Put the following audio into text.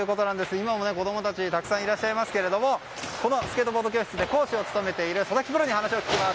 今も子供たちがたくさんいらっしゃいますけどこのスケートボード教室で講師を務めている佐々木プロに話を聞きます。